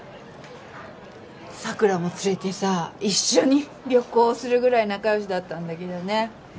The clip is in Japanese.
桜も連れてさ一緒に旅行するぐらい仲良しだったんだけどね。